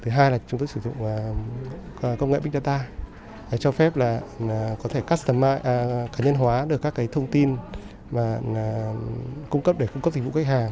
thứ hai là chúng tôi sử dụng công nghệ big data cho phép là có thể cá nhân hóa được các thông tin để cung cấp dịch vụ khách hàng với các thông tin theo nhu cầu khách hàng